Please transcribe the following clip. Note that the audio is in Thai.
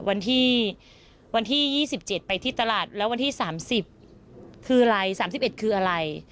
วันที่๒๗ไปที่ตลาดแล้ววันที่๓๐คืออะไร๓๑คืออะไร